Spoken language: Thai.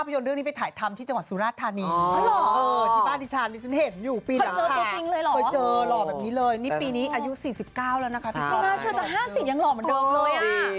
ยังหล่อเหมือนเดิมด้วย